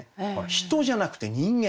「人」じゃなくて「人間」。